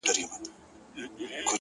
ستر بدلونونه له کوچنیو انتخابونو زېږي!